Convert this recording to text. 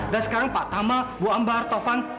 dan sekarang pak tama bu ambar taufan